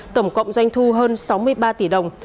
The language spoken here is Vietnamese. tổng cộng doanh thu hơn sáu mươi ba tỷ đồng